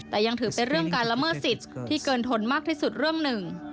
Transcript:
แต่ยังถือเป็นเรื่องการละเมิดสิทธิ์ที่เกินทนมากที่สุดเรื่องหนึ่ง